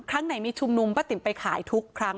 ครั้งไหนมีชุมนุมป้าติ๋มไปขายทุกครั้ง